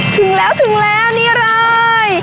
ถึงแล้วถึงแล้วนี่เลย